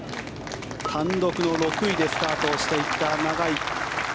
単独の６位でスタートしていった永井。